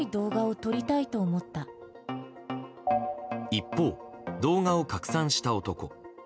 一方、動画を拡散した男。